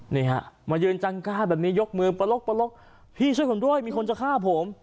นี่ฮะมายืนจังก้าแบบนี้ยกมือปลกพี่ช่วยผมด้วยมีคนจะฆ่าผม